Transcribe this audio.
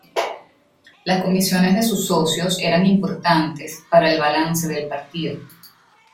Las comisiones de sus socios eran importantes para el balance del partido.